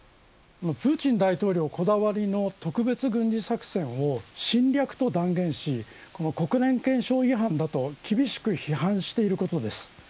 プーチン大統領こだわりの特別軍事作戦を侵略と断言し国連憲章違反だと厳しく批判していることです。